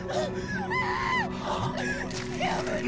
やめて！